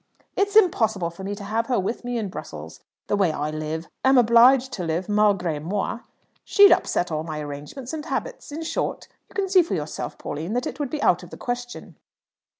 "It's impossible for me to have her with me in Brussels. The way I live am obliged to live malgré moi she'd upset all my arrangements and habits. In short, you can see for yourself, Pauline, that it would be out of the question."